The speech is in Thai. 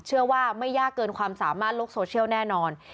เชื่อว่าไม่ยากเกินความสามารถโลกโซเชียลแน่นอน